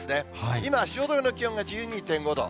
今、汐留の気温が１２．５度。